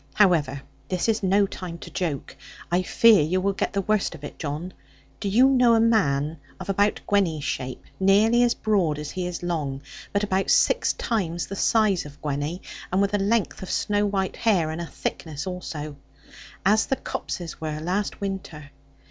However this is no time to joke. I fear you will get the worst of it, John. Do you know a man of about Gwenny's shape, nearly as broad as he is long, but about six times the size of Gwenny, and with a length of snow white hair, and a thickness also; as the copses were last winter.